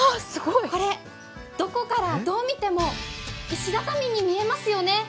これ、どこからどう見ても石畳に見えますよね？